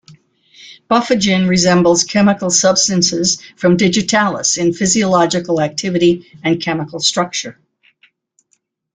Bufagin resembles chemical substances from digitalis in physiological activity and chemical structure.